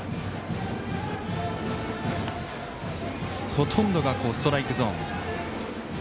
ほとんどがストライクゾーン。